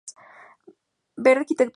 Ver Arquitectura de Maracaibo.